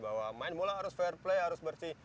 bahwa main bola harus fair play harus bersih